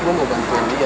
gue mau bantuin dia